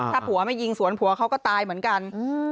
ถ้าผัวไม่ยิงสวนผัวเขาก็ตายเหมือนกัน